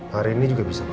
hari ini juga bisa ma